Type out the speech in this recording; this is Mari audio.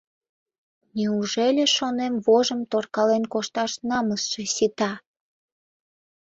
Неужели, шонем, вожым торкален кошташ намысше сита?..»